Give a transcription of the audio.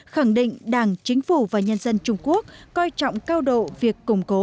khẳng định đảng chính phủ và nhân dân trung quốc coi trọng cao độ việc củng cố